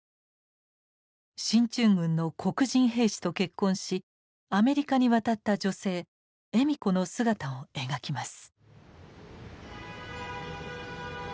進駐軍の黒人兵士と結婚しアメリカに渡った女性笑子の姿を描きます。